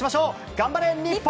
頑張れ！日本。